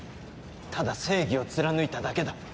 ただ正義を貫いただけだ。